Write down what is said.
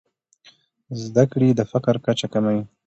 زده کړې د فقر کچه کموي.